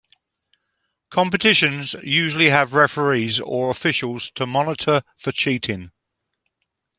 Competitions usually have referees or officials to monitor for cheating.